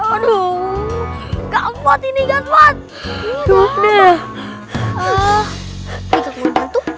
aduh kamu ini gantuan